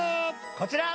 こちら！